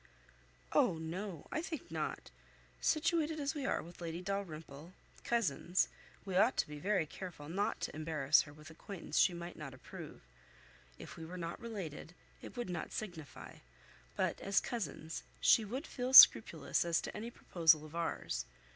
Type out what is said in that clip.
"Oh, no! I think not. Situated as we are with Lady Dalrymple, cousins, we ought to be very careful not to embarrass her with acquaintance she might not approve. If we were not related, it would not signify; but as cousins, she would feel scrupulous as to any proposal of ours.